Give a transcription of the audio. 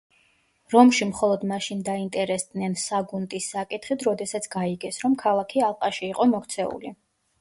რომში მხოლოდ მაშინ დაინტერესდნენ საგუნტის საკითხით, როდესაც გაიგეს, რომ ქალაქი ალყაში იყო მოქცეული.